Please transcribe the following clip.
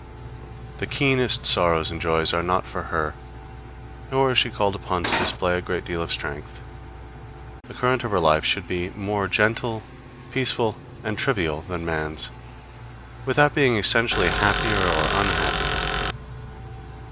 The keenest sorrows and joys are not for her, nor is she called upon to display a great deal of strength. The current of her life should be more gentle, peaceful and trivial than man's, without being essentially happier or unhappier.